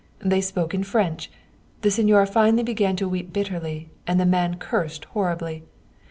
They spoke in French. The signora finally began to weep bitterly, and the man cursed horribly.